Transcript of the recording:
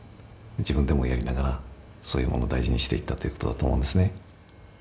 自分でもやりながらそういうものを大事にしていったという事だと思うんですね。